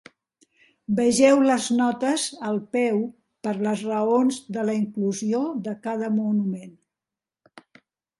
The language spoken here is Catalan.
Vegeu les notes al peu per les raons de la inclusió de cada monument.